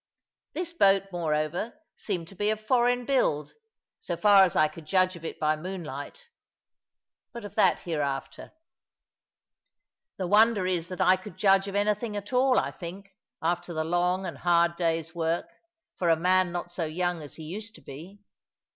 This boat, moreover, seemed to be of foreign build, so far as I could judge of it by moonlight: but of that hereafter. The wonder is that I could judge of anything at all, I think, after the long and hard day's work, for a man not so young as he used to be.